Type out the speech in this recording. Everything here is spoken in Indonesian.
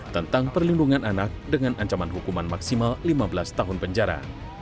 tentang perlindungan anak dengan ancaman hukuman maksimal lima belas tahun penjara